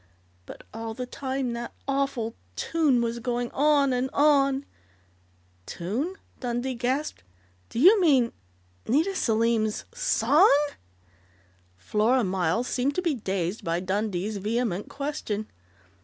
But all the time that awful tune was going on and on " "Tune?" Dundee gasped. "Do you mean Nita Selim's song?" Flora Miles seemed to be dazed by Dundee's vehement question.